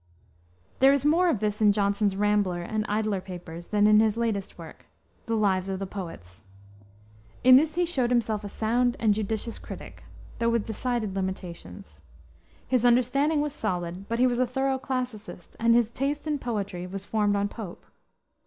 There is more of this in Johnson's Rambler and Idler papers than in his latest work, the Lives of the Poets. In this he showed himself a sound and judicious critic, though with decided limitations. His understanding was solid, but he was a thorough classicist, and his taste in poetry was formed on Pope.